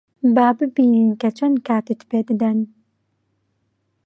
با ببینین کە چەند کاتت پێ دەدەن.